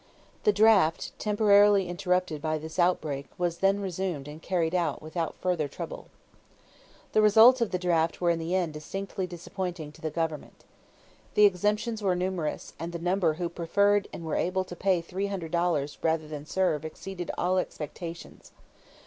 The draft temporarily interrupted by this outbreak was then resumed and carried out without further trouble. The results of the draft were in the end distinctly disappointing to the government. The exemptions were numerous and the number who preferred and were able to pay $300 rather than serve exceeded all expectations.